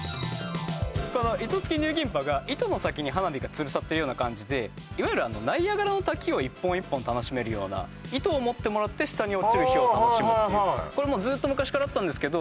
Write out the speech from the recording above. この糸付きニュー銀波が糸の先に花火がつるさってるような感じでいわゆるあのナイアガラの滝を一本一本楽しめるような糸を持ってもらって下に落ちる火を楽しむっていうこれもうずっと昔からあったんですけど